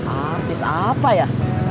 artis apa ya